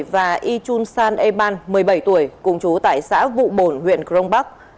và ichun san eban một mươi bảy tuổi cùng chú tại xã vụ bổn huyện krong bắc